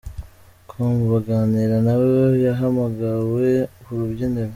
com baganira nawe yahamagawe ku rubyiniro.